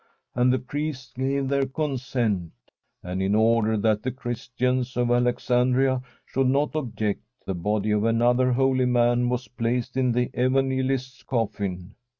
And the priests gave their consent, and in order that the Christians of Alex andria should not object, the body of another holy man was placed in the Evangelist's cofKn.